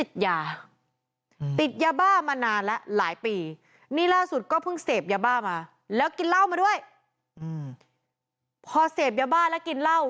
กินเหล้ามาด้วยอืมพอเสพยาบ้านแล้วกินเหล้า